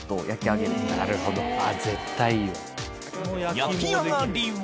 焼き上がりは？